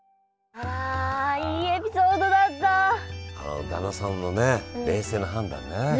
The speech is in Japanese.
あの旦那さんのね冷静な判断ね。